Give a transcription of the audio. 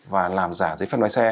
và làm giả giấy phép máy xe